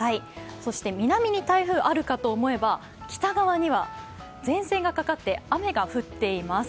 そして南に台風があるかと思えば北側には前線がかかって雨が降っています。